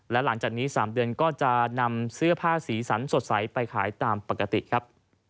และหลังจากนี้๓เดือนก็จะนำเสื้อผ้าสีสันสดใสไปขายตามปกติครับ